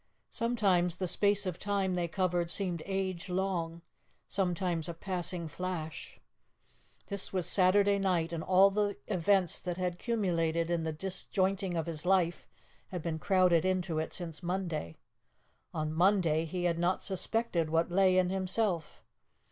Sometimes the space of time they covered seemed age long, sometimes a passing flash. This was Saturday night, and all the events that had culminated in the disjointing of his life had been crowded into it since Monday. On Monday he had not suspected what lay in himself.